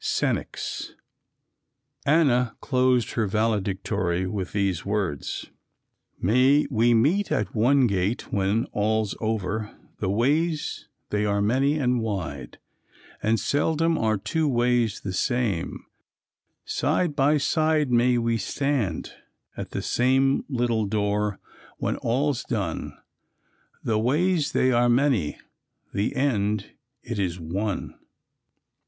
Senex." Anna closed her valedictory with these words: "May we meet at one gate when all's over; The ways they are many and wide, And seldom are two ways the same; Side by side may we stand At the same little door when all's done. The ways they are many, The end it is one."